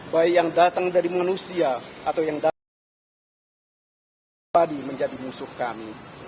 baik yang datang dari manusia atau yang datang dari allah yang tadi menjadi musuh kami